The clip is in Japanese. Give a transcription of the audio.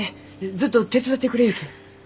ずっと手伝ってくれゆうき。